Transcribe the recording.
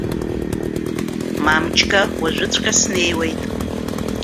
Мамчка, уажәыҵәҟьа снеиуеит!